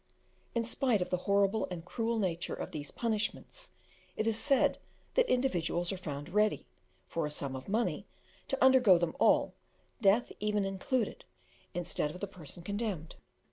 In spite of the horrible and cruel nature of these punishments, it is said that individuals are found ready, for a sum of money, to undergo them all, death even included, instead of the person condemned.